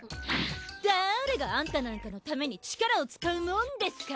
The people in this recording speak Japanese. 誰がアンタなんかのために力を使うもんですか。